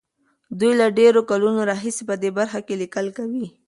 دوی له ډېرو کلونو راهيسې په دې برخه کې ليکل کوي.